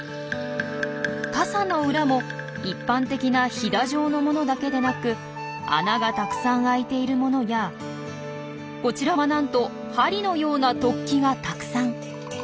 傘の裏も一般的なひだ状のものだけでなく穴がたくさん開いているものやこちらはなんと針のような突起がたくさん。